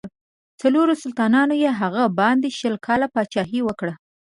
څلورو سلطانانو یې څه باندې شل کاله پاچهي وکړه.